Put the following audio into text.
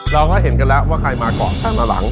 เราก็เห็นกันแล้วว่าใครมาเกาะใครมาหลัง